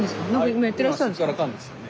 今すっからかんですよ。